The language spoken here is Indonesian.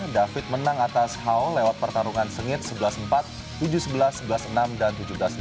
david menang atas haul lewat pertarungan sengit sebelas empat tujuh sebelas sebelas enam dan tujuh belas lima belas